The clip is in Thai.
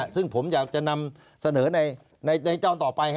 ซึ่งผมอยากจะนำเสนอในเจ้าต่อไป